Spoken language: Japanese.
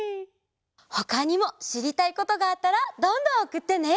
ほかにもしりたいことがあったらどんどんおくってね。